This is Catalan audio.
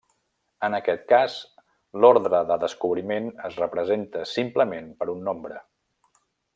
En aquest cas, l'ordre de descobriment es representa simplement per un nombre.